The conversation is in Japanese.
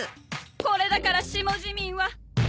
これだから下人民は。